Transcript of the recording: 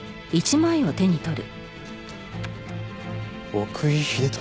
「奥居秀俊」。